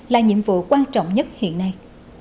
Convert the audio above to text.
là nhiệm vụ quan trọng nhất hiện nay